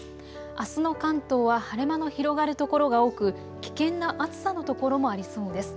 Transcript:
あすの関東は晴れ間の広がる所が多く危険な暑さの所もありそうです。